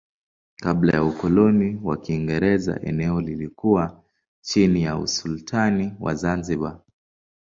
Kabla ya ukoloni wa Kiingereza eneo lilikuwa chini ya usultani wa Zanzibar.